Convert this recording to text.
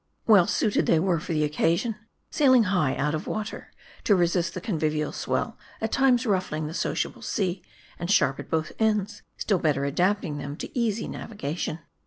Weir suited they were for the occasion ; sailing high out M A R D I. 297 of water, to resist the convivial swell at times ruffling the sociable sea ; and sharp at both ends, still better adapting them to easy navigation.